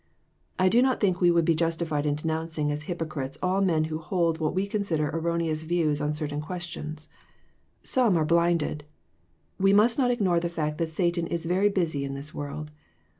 I do not think we would be justified in denouncing as hypocrites all men who hold what we consider erroneous views on certain questions ; some are blinded. We must not ignore the fact that Satan is very busy in this world.